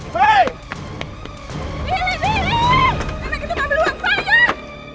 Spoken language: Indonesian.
karena kita gak beluang saya